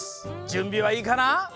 じゅんびはいいかな？